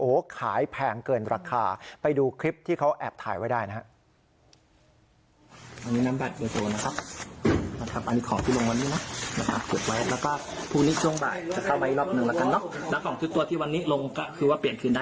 โอ้โหขายแพงเกินราคาไปดูคลิปที่เขาแอบถ่ายไว้ได้นะครับ